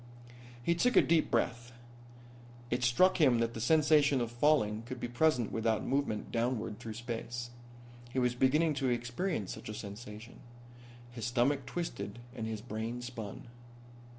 He took a deep breath. It struck him that the sensation of falling could be present without movement downward through space. He was beginning to experience such a sensation. His stomach twisted and his brain spun.